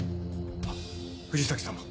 あっ藤崎さんも。